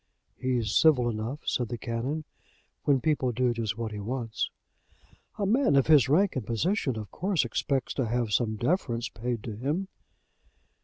"He's civil enough," said the Canon, "when people do just what he wants." "A man of his rank and position of course expects to have some deference paid to him."